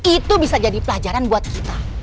itu bisa jadi pelajaran buat kita